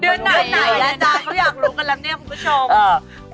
เดือนไหนเขาอยากรู้กันแล้วเนี่ยคุณผู้ชม